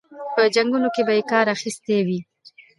په جنګونو کې به یې کار اخیستی وي.